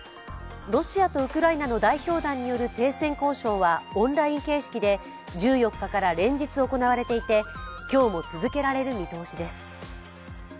ロシアとウクライナの代表団による停戦交渉はオンライン形式で１４日から連日行われていて、今日も続けられる見通しです。